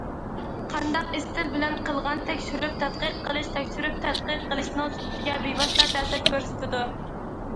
قانداق ئىستىل بىلەن قىلغان تەكشۈرۈپ تەتقىق قىلىش تەكشۈرۈپ تەتقىق قىلىشنىڭ سۈپىتىگە بىۋاسىتە تەسىر كۆرسىتىدۇ.